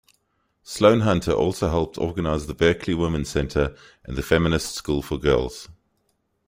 Sloan-Hunter also helped organize the Berkeley Women's Center and the Feminist School for Girls.